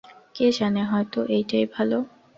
কে জানে, হয়তো এইটেই ভালো।